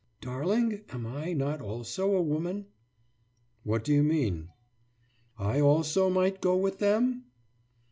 »Darling, am I not also a woman?« »What do you mean?« »I also might go with Them?